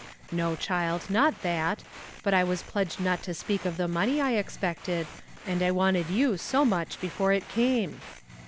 "No, child, not that. But I was pledged not to speak of the money I expected, and I wanted you so much before it came."